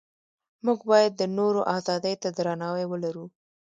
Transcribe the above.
موږ باید د نورو ازادۍ ته درناوی ولرو.